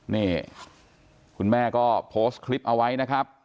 นี่คุณแม่ก็โพสต์คลิปเอาไว้นะครับ